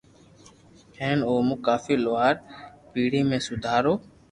ھين او مون ڪافي لوھار پيڙي ۾ سودھارو